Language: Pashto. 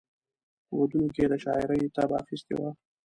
په ودونو کې یې د شاعرۍ طبع اخیستې وه.